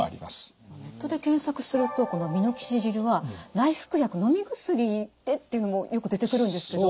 ネットで検索するとこのミノキシジルは内服薬のみ薬でっていうのもよく出てくるんですけど。